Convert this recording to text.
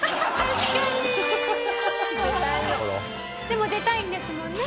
でも出たいんですもんね？